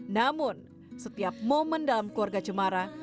namun setiap momen dalam keluarga cemara